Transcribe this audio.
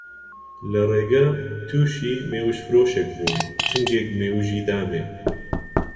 لە ڕێگە تووشی مێوژفرۆشێک بووم، چنگێک مێوژێ دامێ